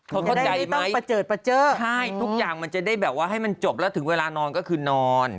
เขาเข้าใจไหมใช่ทุกอย่างจะได้แบบว่าให้มันจบแล้วถึงเวลานอนก็คือนอน